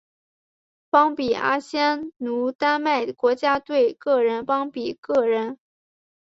邦比阿仙奴丹麦国家队个人邦比个人